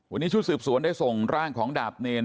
วันนี้ชุดสืบสวนได้ส่งร่างของดาบเนร